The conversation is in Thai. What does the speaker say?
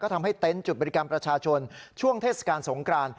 ทำให้เต็นต์จุดบริการประชาชนช่วงเทศกาลสงกราน